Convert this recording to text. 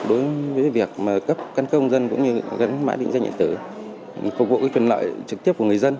đối với việc cấp các công dân cũng như gắn mã định danh điện tử phục vụ truyền lợi trực tiếp của người dân